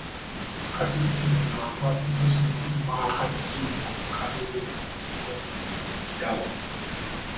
Katikkiro ng'akwasa Kasujju Mark Jjingo Kaberenge owookubiri ekirabo.